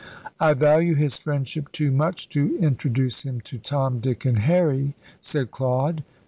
"I value his friendship too much to introduce him to Tom, Dick, and Harry," said Claude.